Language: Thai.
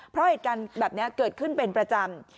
เพราะเหตุการณ์แบบนี้เกิดขึ้นเป็นประจำ